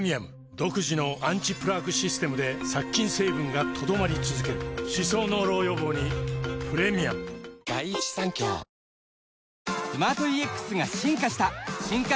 独自のアンチプラークシステムで殺菌成分が留まり続ける歯槽膿漏予防にプレミアムラクに出る？